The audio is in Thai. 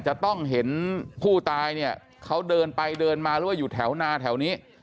จะต้องเห็นผู้ตายเนี่ยเขาเดินไปเดินมาหรือว่าอยู่แถวนาแถวนี้